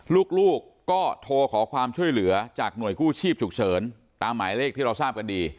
ลูกก็โทรขอความช่วยเหลือจากหน่วยกู้ชีพฉุกเฉินตามหมายเลขที่เราทราบกันดี